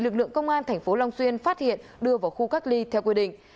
công an thành phố long xuyên phát hiện đưa vào khu cách ly theo quy định